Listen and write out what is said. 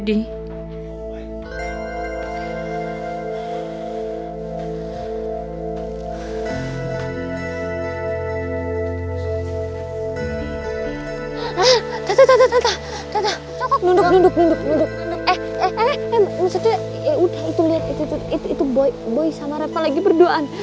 itu boy sama rafa lagi berduaan